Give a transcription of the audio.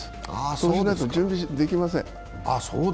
そうしないと準備できません。